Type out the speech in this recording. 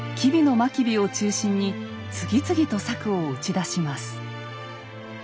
真備を中心に次々と策を打ち出します。